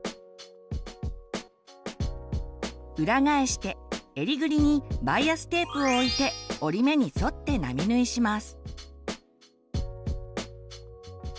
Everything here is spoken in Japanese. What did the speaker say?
裏返して襟ぐりにバイアステープを置いて折り目に沿って並縫いします。